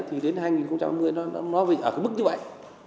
thì đến hai nghìn ba mươi nó ở cái mức như vậy